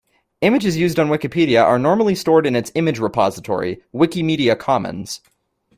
Images used on Wikipedia are normally stored in its image repository, Wikimedia Commons